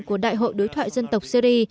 của đại hội đối thoại dân tộc syri